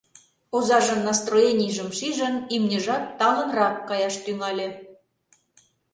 Озажын настроенийжым шижын, имньыжат талынрак каяш тӱҥале.